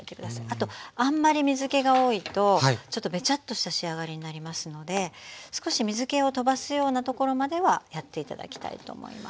あとあんまり水けが多いとちょっとべちゃっとした仕上がりになりますので少し水けを飛ばすようなところまではやって頂きたいと思います。